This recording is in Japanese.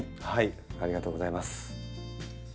ありがとうございます。